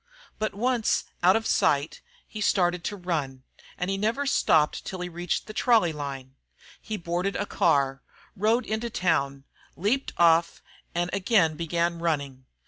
But once out of sight he started to run, and he never stopped till he reached the trolley line. He boarded a car, rode into town, leaped off, and again began running.